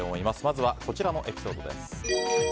まずはこちらのエピソードです。